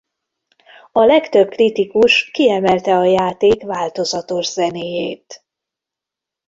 A legtöbb kritikus kiemelte a játék változatos zenéjét.